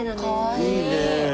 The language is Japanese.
いいね！